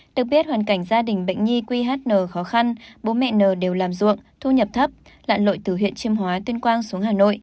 được biết hoàn cảnh gia đình bệnh nhi qhn khó khăn bố mẹ nờ đều làm ruộng thu nhập thấp lạn lội từ huyện chiêm hóa tuyên quang xuống hà nội